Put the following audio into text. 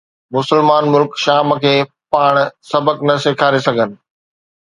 مسلمان ملڪ شام کي پاڻ سبق نه سيکاري سگهن